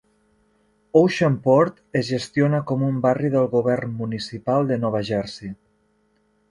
Oceanport es gestiona com un barri del govern municipal de Nova Jersey.